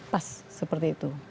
pas seperti itu